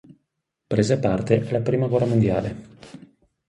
Prese parte alla Prima guerra mondiale.